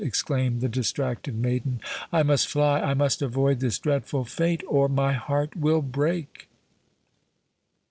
exclaimed the distracted maiden, "I must fly—I must avoid this dreadful fate—or my heart will break!"